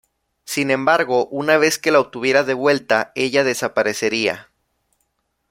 Sin embargo una vez que la obtuviera de vuelta, ella desaparecería.